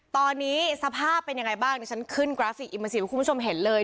ตอนนี้สภาพเป็นยังไงบ้างดิฉันขึ้นกราฟิกอิเมอร์ซีฟให้คุณผู้ชมเห็นเลย